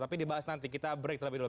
tapi dibahas nanti kita break terlebih dahulu